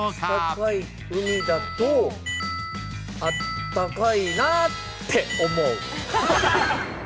暖かい海だと、あったかいなって思う。